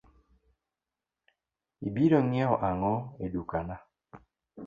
Ibiro ngiew ang'o e dukana?